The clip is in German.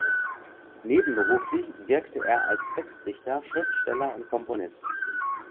Nebenberuflich wirkte er als Textdichter, Schriftsteller und Komponist.